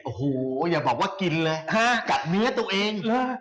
โอ้โหอย่าบอกว่ากินเลยกัดเนื้อตัวเอง